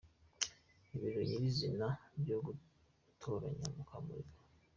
Ibirori nyir’izina byo gutoranya Mukamurigo.